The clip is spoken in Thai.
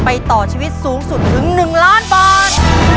ไปต่อชีวิตสูงสุดถึง๑ล้านบอร์ด